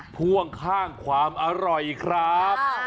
พ่วงข้างความอร่อยครับ